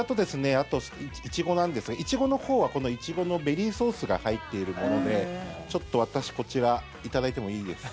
あと、イチゴなんですがイチゴのほうは、イチゴのベリーソースが入っているものでちょっと私、こちらいただいてもいいですか？